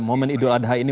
momen idul adha ini